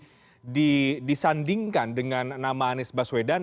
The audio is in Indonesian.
kemudian disandingkan dengan nama anies baswedan